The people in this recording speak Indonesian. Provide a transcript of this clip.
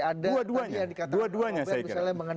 ada tadi yang dikatakan